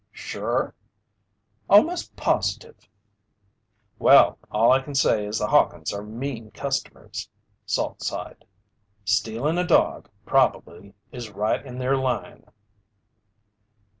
"Sure?" "Almost positive." "Well, all I can say is the Hawkins' are mean customers," Salt sighed. "Stealing a dog probably is right in their line."